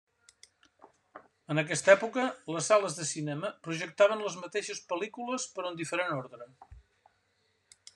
En aquesta època, les sales de cinema projectaven les mateixes pel·lícules però en diferent ordre.